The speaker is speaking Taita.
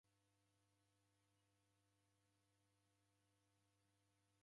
Boilwa ni isanga kunekelo